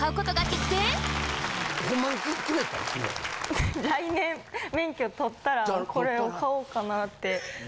来年免許取ったらこれを買おうかなって。